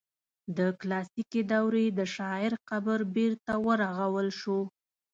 د کلاسیکي دورې د شاعر قبر بیرته ورغول شو.